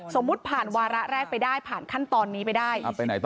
สมมุติผ่านวาระแรกไปได้ผ่านขั้นตอนนี้ไปได้